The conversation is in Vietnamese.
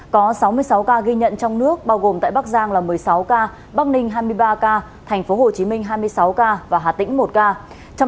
có sáu mươi sáu ca ghi nhận trong nước bao gồm tại bắc giang là một mươi sáu ca bắc ninh hai mươi ba ca tp hcm hai mươi sáu ca và hà tĩnh một ca